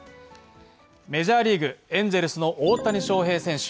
メジャーリーグ、エンゼルの大谷翔平選手。